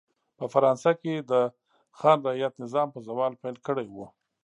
په فرانسه کې د خان رعیت نظام په زوال پیل کړی و.